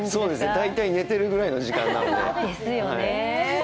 大体、寝てるぐらいの時間なんで。